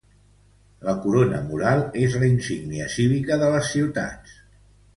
La corona mural és la insígnia cívica de les ciutats.